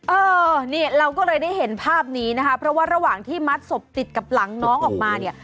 เออนี่เราก็เลยได้เห็นภาพนี้นะคะเพราะว่าระหว่างที่มัดศพติดกับหลังน้องออกมาเนี่ย